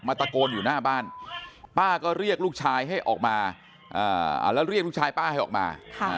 ตะโกนอยู่หน้าบ้านป้าก็เรียกลูกชายให้ออกมาแล้วเรียกลูกชายป้าให้ออกมา